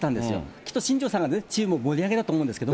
きっと新庄さんがチームを盛り上げてたと思うんですけど。